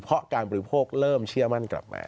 เพราะการบริโภคเริ่มเชื่อมั่นกลับมา